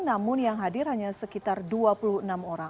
namun yang hadir hanya sekitar dua puluh enam orang